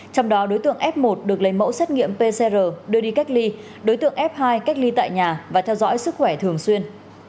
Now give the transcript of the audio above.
trong đó đối tượng f một được lấy mẫu xét nghiệm pcr đưa đi cách ly đối tượng f hai cách ly tại nhà và theo dõi sức khỏe thường xuyên